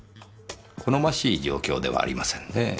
好ましい状況ではありませんねえ。